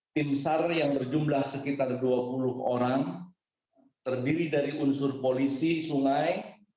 tim sar yang berjumlah sekitar dua puluh orang terdiri dari unsur polisi sungai